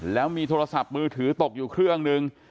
แล้วมีโทรศัพท์มือถือตกอยู่เครื่องหนึ่ง